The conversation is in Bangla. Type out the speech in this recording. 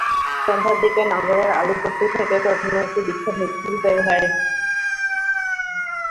সন্ধ্যার দিকে নগরের আলুপট্টি থেকে প্রথমে একটি বিক্ষোভ মিছিল বের করা হয়।